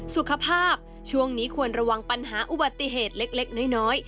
ช่วงนี้ควรระวังปัญหาอุบัติเหตุเล็กน้อย